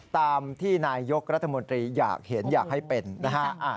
ตามที่นายยกรัฐมนตรีอยากเห็นอยากให้เป็นนะฮะ